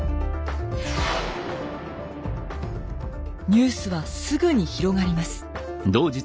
ニュースはすぐに広がります。